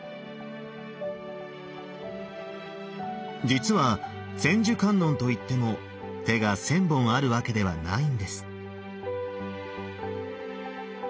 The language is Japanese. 実は千手観音といっても手が千本あるわけではないんです。